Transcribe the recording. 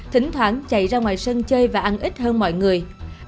thỉnh thoảng chạy ra ngoài sân chơi và ăn ít hơn mọi người